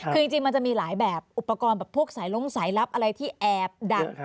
คือจริงมันจะมีหลายแบบอุปกรณ์แบบพวกสายล้งสายลับอะไรที่แอบดัง